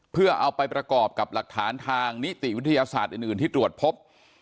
เพื่อเอาไปประกอบกับหลักฐานทางนิติวิทยาศาสตร์อื่นที่ตรวจพบ